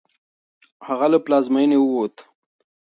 هغه له پلازمېنې ووت.